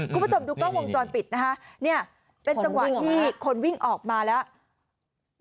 คุณผู้ชมดูกล้องวงจรปิดนะคะเนี่ยเป็นจังหวะที่คนวิ่งออกมาแล้ว